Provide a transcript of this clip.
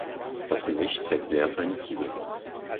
Das Gesicht zeigt sehr feine Züge.